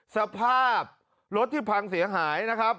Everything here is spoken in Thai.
สภาพรถที่พังเสียหายนะครับ